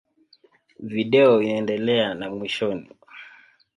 Video inaendelea na mwishoni.